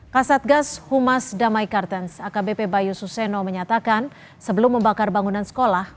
kasatgas humas damai kartens akbp bayu suseno menyatakan sebelum membakar bangunan sekolah